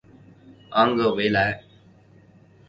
昂格维莱。